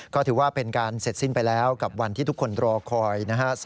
ก็ถือว่าเป็นการเสร็จสิ้นไปแล้วกับวันที่ทุกคนรอคอยนะฮะ